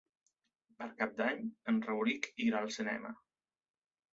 Per Cap d'Any en Rauric irà al cinema.